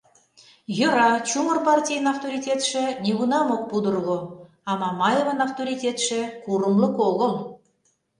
Йӧра, чумыр партийын авторитетше нигунам ок пудырго, а Мамаевын авторитетше курымлык огыл.